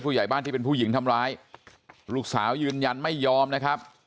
ใหญ่บ้านที่เป็นผู้หญิงทำร้ายลูกสาวยืนยันไม่ยอมนะครับ